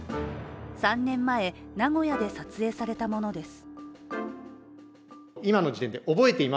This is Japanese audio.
３年前、名古屋で撮影されたものです。